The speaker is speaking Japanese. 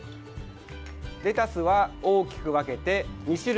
レタスは大きく分けて２種類。